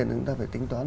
người ta phải tính toán